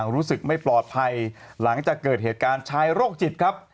รู้สึกไม่ปลอดภัยหลังจากเกิดเหตุการณ์ชายโรคจิตครับ